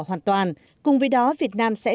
hoàn toàn cùng với đó việt nam sẽ